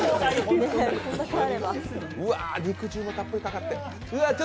うわ、肉汁もたっぷりかかって。